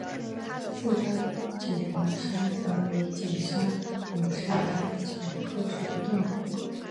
色斑角吻沙蚕为角吻沙蚕科角吻沙蚕属的动物。